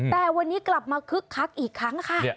แต่วันนี้กลับมาคึกคักอีกครั้งค่ะ